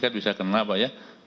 kan bisa kena pak ya